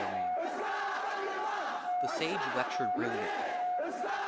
63 LVIII THE SAGE LECTURED BRILLIANTLY.